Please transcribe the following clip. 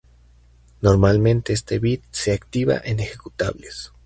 Normalmente este bit se activa en ejecutables.